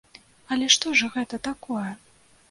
Але што ж гэта такое?